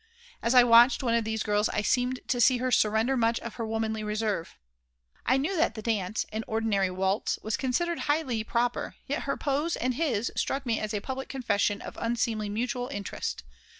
As I watched one of these girls I seemed to see her surrender much of her womanly reserve. I knew that the dance an ordinary waltz was considered highly proper, yet her pose and his struck me as a public confession of unseemly mutual interest.